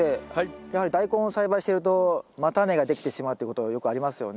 やはりダイコンを栽培してると叉根ができてしまうっていうことがよくありますよね。